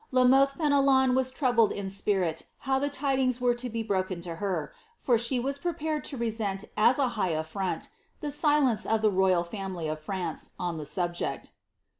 La Mothe Fenelon was troubled in spirit bow the tidings were to be broken to her, for she was prepared to re lent as a high affront the silence of the royal family of France on the lobject.